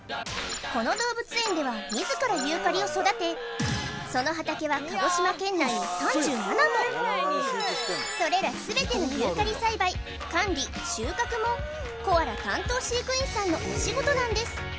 この動物園では自らユーカリを育てその畑は鹿児島県内に３７もそれらすべてのユーカリ栽培管理収穫もコアラ担当飼育員さんのお仕事なんです